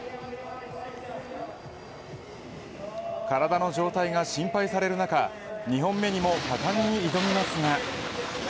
体の状態が心配される中２本目にも果敢に挑みますが。